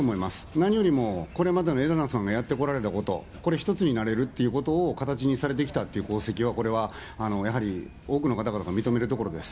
何よりも、これまでの枝野さんがやってこられたこと、これ一つになれるってことを形にされてきたっていう功績は、これはやはり多くの方々が認めるところです。